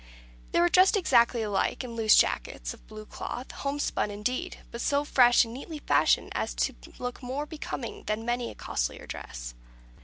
They were dressed exactly alike, in loose jackets of blue cloth, homespun, indeed, but so fresh and neatly fashioned as to look more becoming than many a costlier dress.